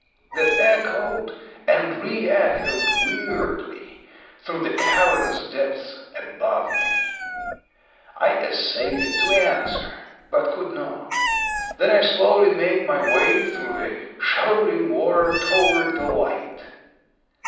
that echoed and reechoed weirdly through the cavernous depths about me. I essayed to answer, but could not. Then I slowly made my way through the shoaling water toward the light.